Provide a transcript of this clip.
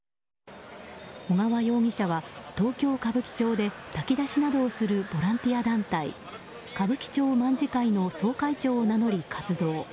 小川容疑者は東京・歌舞伎町で炊き出しなどをするボランティア団体歌舞伎町卍会の総会長を名乗り活動。